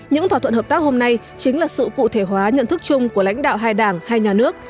những thỏa thuận hợp tác hôm nay chính là sự cụ thể hóa nhận thức chung của lãnh đạo hai đảng hai nhà nước